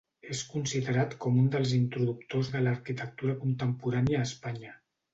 És considerat com un dels introductors de l'arquitectura contemporània a Espanya.